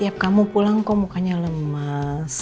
tiap kamu pulang kok mukanya lemas